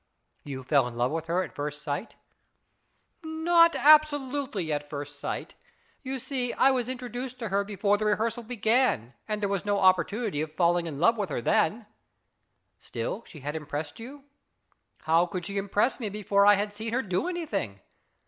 " You fell in love with her at first sight ?"" Not absolutely at first sight. You see, I was introduced to her before the rehearsal began, and there was no opportunity of falling in love with her then." IS IT A MANf 255 " Still, she had impressed you ?" "How could she impress me before I had seen her do anything